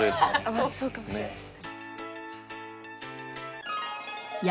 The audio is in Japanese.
そうかもしれないです。